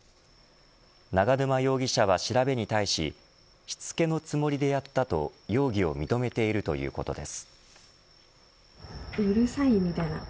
永沼容疑者は調べに対ししつけのつもりでやったと容疑を認めているということです。